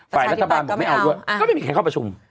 ฝ่ายรัฐบาลบอกไม่เอาด้วยก็ไม่มีใครเข้าประชุม